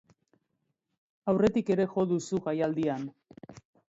Aurretik ere jo duzu jaialdian.